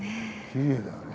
きれいだよね。